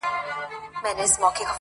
• د دې مظلوم قام د ژغورني -